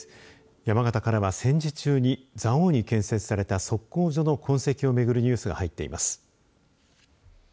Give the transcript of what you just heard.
山形からは、戦時中に蔵王に建設された測候所の痕跡をめぐるニュースが入っています。